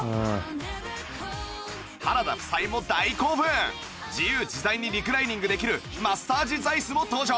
原田夫妻も大興奮自由自在にリクライニングできるマッサージ座椅子も登場